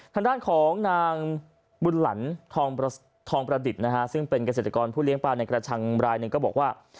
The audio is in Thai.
ทางด้านของนางบุญหลันทองประดิษฐ์นะฮะซึ่งเป็นเกษตรกรผู้เลี้ยงปลาในกระชังรายหนึ่งก็บอกว่า